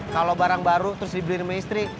kalau barang baru terus dibeli sama istri